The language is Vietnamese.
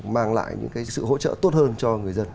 mang lại những cái sự hỗ trợ tốt hơn cho người dân